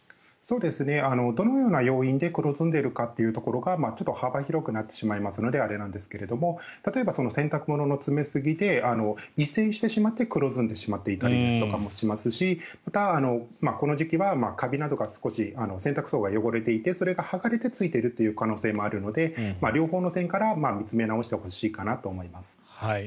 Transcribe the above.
どのような要因で黒ずんでいるかというところがちょっと幅広くなってしまいますのであれなんですが例えば、洗濯物の詰めすぎで黒ずんでしまっていたりもしますしこの時期はカビなどが少し洗濯槽が汚れていてそれが剥がれてついている可能性もあるので両方の点から見つめ直してほしいかなと思います。